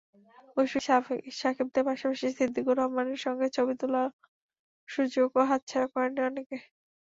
মুশফিক-সাকিবদের পাশাপাশি সিদ্দিকুর রহমানের সঙ্গে ছবি তোলার সুযোগও হাতছাড়া করেননি অনেকে।